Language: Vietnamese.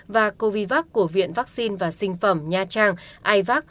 và covivac của viện vaccine và sinh phẩm